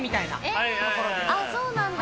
えそうなんだ。